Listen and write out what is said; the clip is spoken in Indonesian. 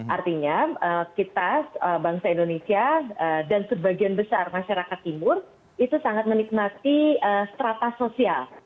artinya kita bangsa indonesia dan sebagian besar masyarakat timur itu sangat menikmati strata sosial